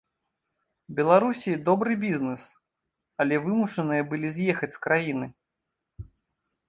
Беларусі добры бізнес, але вымушаныя былі з'ехаць з краіны.